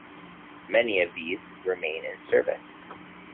Many of these remain in service.